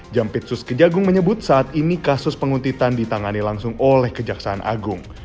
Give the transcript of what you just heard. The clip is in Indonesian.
jampitsus kejagung menyebut saat ini kasus penguntitan ditangani langsung oleh kejaksaan agung